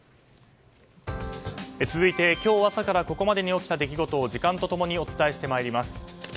続いて今日朝からここまでに起きた出来事を時間と共にお伝えしてまいります。